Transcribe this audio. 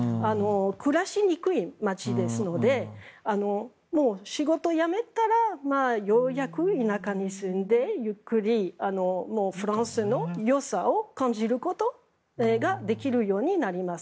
暮らしにくい街ですのでもう仕事を辞めたらようやく田舎に住んでゆっくりフランスのよさを感じることができるようになります。